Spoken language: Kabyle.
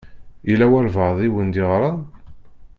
Yella walebɛaḍ i wen-d-iɣṛan?